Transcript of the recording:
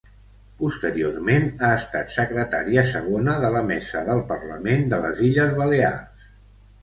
Posteriorment ha estat secretària segona de la Mesa del Parlament de les Illes Balears.